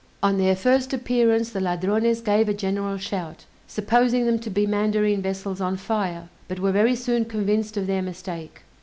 On their first appearance the Ladrones gave a general shout, supposing them to be mandarine vessels on fire, but were very soon convinced of their mistake.